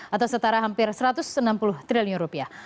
atau setara hampir satu ratus enam puluh triliun rupiah